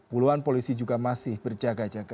puluhan polisi juga masih berjaga jaga